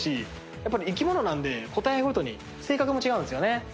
やっぱり生き物なんで個体ごとに性格も違うんですよね。